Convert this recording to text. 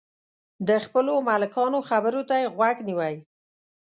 د خپلو ملکانو خبرو ته یې غوږ نیوی.